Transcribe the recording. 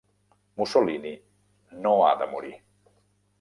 Mussolini no ha de morir!